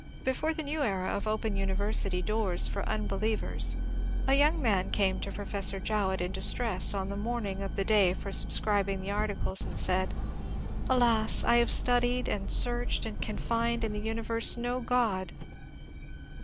Before the new era of open university doors for unbelievers a young man came to Professor Jowett in distress on the morn ing of the day for subscribing the articles, and said, '* Alas, I have studied and searched and can find in the universe no God